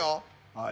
はい。